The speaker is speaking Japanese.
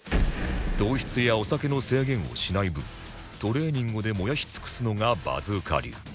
糖質やお酒の制限をしない分トレーニングで燃やし尽くすのがバズーカ流